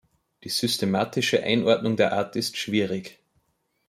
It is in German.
Die systematische Einordnung der Art ist schwierig.